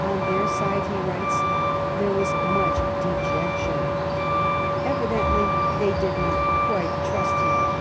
On their side, he writes, "there was much dejection." Evidently they did not quite trust him.